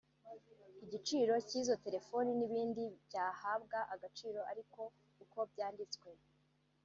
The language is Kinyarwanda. igiciro cy’izo Telefoni n’ibindi byahabwa agaciro ari uko byanditswe